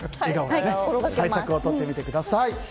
対策をとってみてください。